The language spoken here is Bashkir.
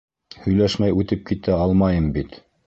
Һөйләшмәй үтеп китә алмайым бит.